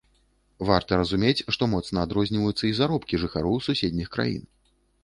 Варта разумець, што моцна адрозніваюцца і заробкі жыхароў суседніх краін.